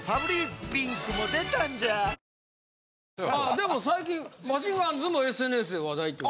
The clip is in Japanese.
でも最近マシンガンズもＳＮＳで話題という。